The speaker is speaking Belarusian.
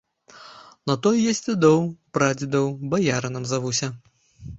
На тое я з дзядоў, прадзедаў баярынам завуся.